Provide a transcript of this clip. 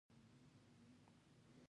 یا د ټولنې د یوې ډلې غړی دی.